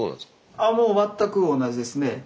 ああもう全く同じですね。